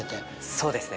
そうですね。